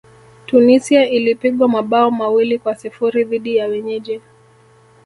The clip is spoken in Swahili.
tunisia ilipigwa mabao mawili kwa sifuri dhidi ya wenyeji